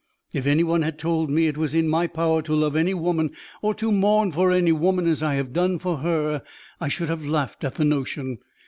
If any one had told me it was in my power to love any woman, or to mourn for any woman as I have done for her, I should have laughed at the notion.